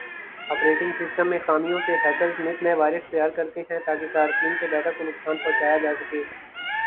operating system میں خامیوں سے ہیکرز نت نئے وائرس تیار کرتے ہیں تاکہ صارفین کے ڈیٹا کو نقصان پہنچایا جاسکے